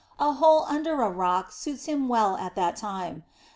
A hole under a rock suits him well at that time.